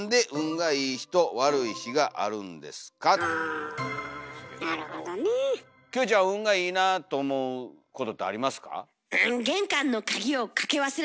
あなるほどねえ。キョエちゃん運がいいなあと思うことってありますか？